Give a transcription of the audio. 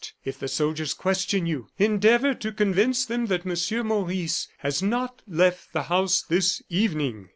If the soldiers question you, endeavor to convince them that Monsieur Maurice has not left the house this evening."